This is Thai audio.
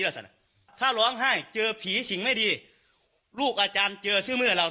แล้วแสดงถ้าร้องไห้เจอผีสิ่งไม่ดีลูกอาจารย์เจอซื่อมือเรา